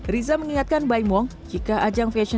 riza mengingatkan baimuang